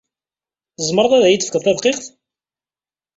Tzemred ad iyi-d-tefked tadqiqt?